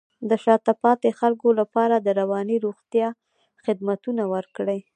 د شاته پاتې خلکو لپاره د رواني روغتیا خدمتونه ورکړئ.